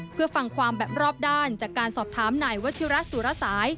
เพื่อฟังความแบบรอบด้านจากการสอบถามนายวัชิระสุรสาย